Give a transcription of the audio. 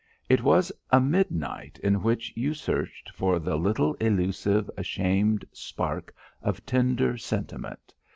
It was a midnight in which you searched for the little elusive, ashamed spark of tender sentiment.